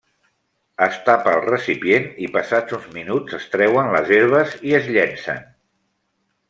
Es tapa el recipient i passats uns minuts es treuen les herbes i es llencen.